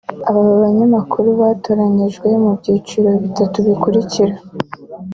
Aba banyamakuru batoranyijwe mu byiciro bitatu bikurikira